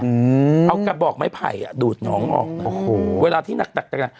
อืมเอากระบอกไม้ไผ่อ่ะดูดหนองออกนะโอ้โหเวลาที่หนักแตกต่าง